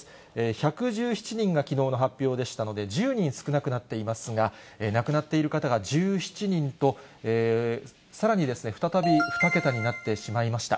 １１７人がきのうの発表でしたので、１０人少なくなっていますが、亡くなっている方が１７人と、さらに再び２桁になってしまいました。